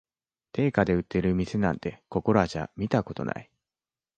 定価で売ってる店なんて、ここらじゃ見たことない